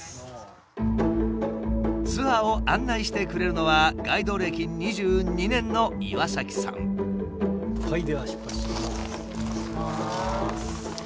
ツアーを案内してくれるのはガイド歴２２年のお願いします。